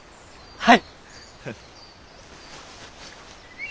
はい。